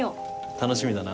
楽しみだなぁ。